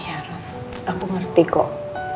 ya rose aku mengerti kok